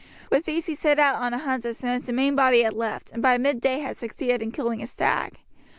With these he set out on a hunt as soon as the main body had left, and by midday had succeeded in killing a stag.